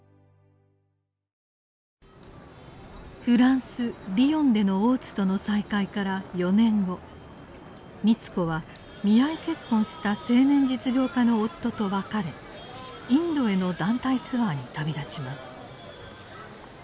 フランス・リヨンでの大津との再会から４年後美津子は見合い結婚した青年実業家の夫と別れインドへの団体ツアーに旅立ちます。